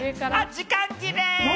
時間切れ。